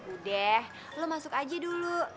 udah lo masuk aja dulu